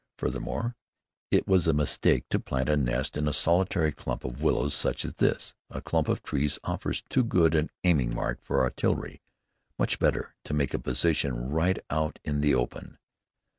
Furthermore, it was a mistake to plant a nest in a solitary clump of willows such as this: a clump of trees offers too good an aiming mark for artillery: much better to make a position right out in the open.